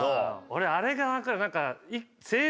俺あれが分かる。